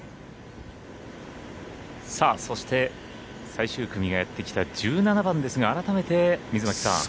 そして最終組がやってきた１７番ですが改めて水巻さん。